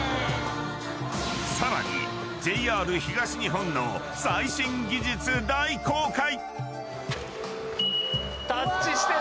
更に、ＪＲ東日本の最新技術大公開！